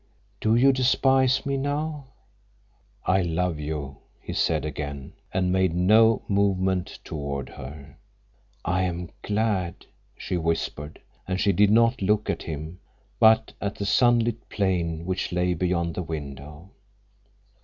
"Do you despise me now?" "I love you," he said again, and made no movement toward her. "I am glad," she whispered, and she did not look at him, but at the sunlit plain which lay beyond the window.